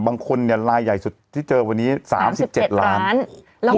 บางคนเนี้ยลายใหญ่สุดที่เจอวันนี้สามสิบเจ็ดล้านสามสิบเจ็ดล้าน